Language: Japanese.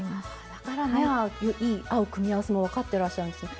だからね合う組み合わせも分かってらっしゃるんですね。